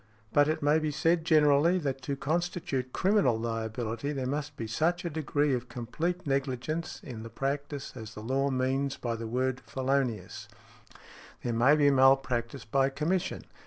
But it may be said generally, that to constitute criminal liability there must be such a |56| degree of complete negligence in the practice as the law means by the word felonious . There may be malpractice by commission, _i.